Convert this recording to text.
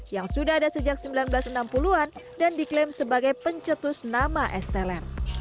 yang sudah ada sejak seribu sembilan ratus enam puluh an dan diklaim sebagai pencetus nama es teler